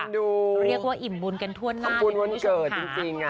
ดูเรียกว่าอิ่มบุญกันทั่วหน้าเป็นวิชุขาขอบคุณวันเกิดจริงอะ